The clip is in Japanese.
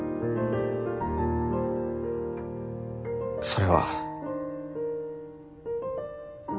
それは。